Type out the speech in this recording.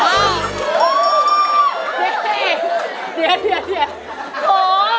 โอ้โห